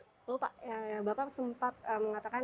lalu pak bapak sempat mengatakan